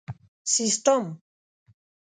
سیسټم